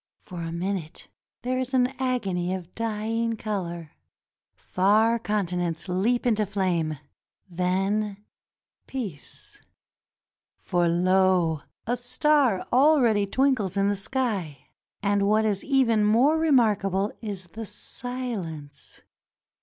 For a minute there is an agony of dying color — far continents leap into flame; then, peace; for lo! a star already twinkles in the sky. And what is even more remarkable is the silence.